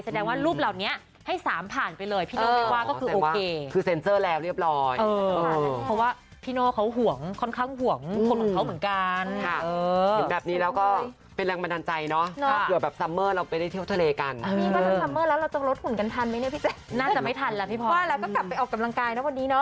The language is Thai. แสดงว่ารูปเหล่านี้ให้สามผ่านไปเลย